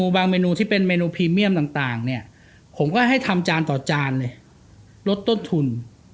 เมนูที่เป็นเมนูพรีเมียมต่างเนี่ยผมก็ให้ทำจานต่อจานเลยลดต้นทุน